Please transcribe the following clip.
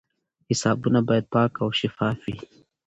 حسابونه باید پاک او شفاف وي.